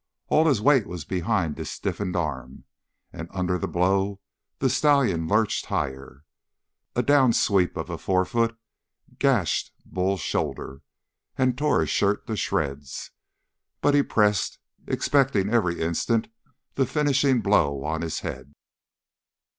All his weight was behind his stiffened arm, and under the blow the stallion lurched higher. A down sweep of a forefoot gashed Bull's shoulder and tore his shirt to shreds. But he pressed, expecting every instant the finishing blow on his head.